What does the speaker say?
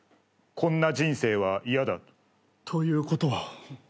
「こんな人生は嫌だ」ということは。